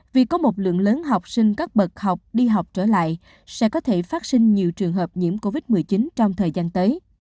vì có một lượng lớn học sinh các bậc học đi học trở lại sẽ có thể phát sinh nhiều trường hợp nhiễm covid một mươi chín trong thời gian tới